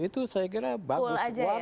itu saya kira bagus